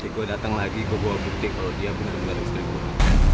jika gue datang lagi gue buang bukti kalau dia benar benar istri gue